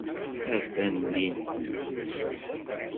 Atan din.